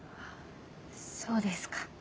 そうですか。